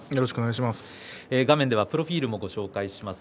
画面ではプロフィールをご紹介します。